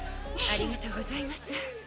ありがとうございます！